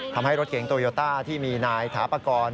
ทำให้รถเก๋งโตโยต้าที่มีนายถาปากร